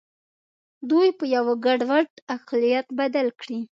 دوی په یوه ګډوډ اقلیت بدل کړي.